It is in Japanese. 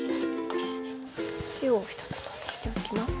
塩を１つまみしておきます。